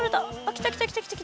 来た来た来た来た。